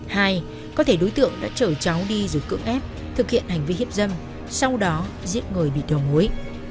hai có thể đối tượng đã chở cháu đi giữa cưỡng ép thực hiện hành vi hiếp dâm sau đó giết người bị đồng hối